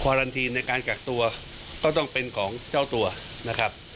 ลันทีนในการกักตัวก็ต้องเป็นของเจ้าตัวนะครับ